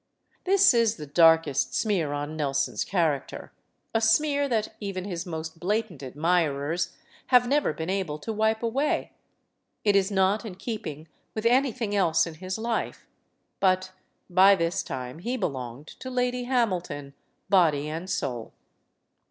This is the darkest smear on Nelson's character, a smear that even his most blatant admirers have never been able to wipe away. It is not in keeping with any thing else in his life. But by this time he belonged to Lady Hamilton, body and soul.